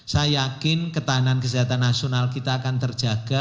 saya yakin ketahanan kesehatan nasional kita akan terjaga